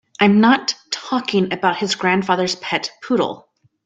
I'm not talking about his grandfather's pet poodle.